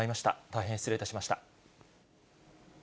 大変失礼いたしました。